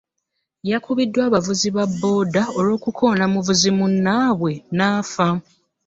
Yakubiddwa abavuzi ba booda olw'okukoona muvuzi munnaaabwe n'afa.